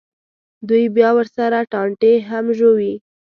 دوی بیا ورسره ټانټې هم ژووي.